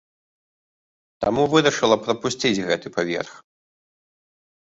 Таму вырашыла прапусціць гэты паверх.